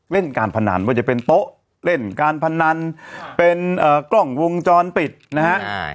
การพนันว่าจะเป็นโต๊ะเล่นการพนันเป็นกล้องวงจรปิดนะฮะ